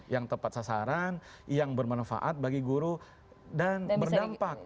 yang tepat sasaran yang bermanfaat bagi guru dan berdampak